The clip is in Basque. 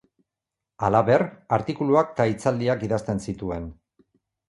Halaber, artikuluak eta hitzaldiak idazten zituen.